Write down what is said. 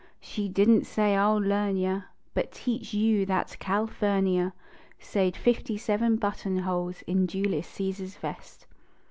She didn t say " I ll learn yuh," But teach you that Calphurnia Sewed fifty seven button holes in Julius Caesar s vest.